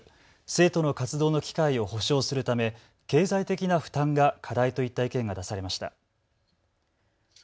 生徒の活動の機会を保証するため経済的な負担が課題といった意見が出されました。